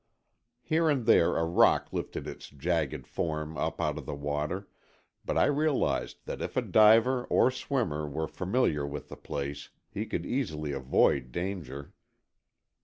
Here and there a rock lifted its jagged form up out of the water, but I realized that if a diver or swimmer were familiar with the place, he could easily avoid danger.